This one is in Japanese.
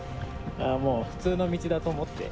もう普通の道だと思って。